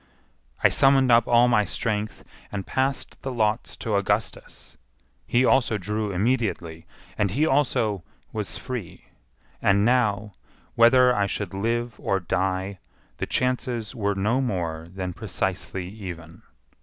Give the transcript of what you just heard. I summoned up all my strength, and passed the lots to Augustus. He also drew immediately, and he also was free; and now, whether I should live or die, the chances were no more than precisely even.